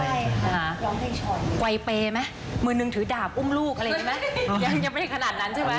อย่างที่เต้ยบอกคือเรื่องกับความร้อนด้วย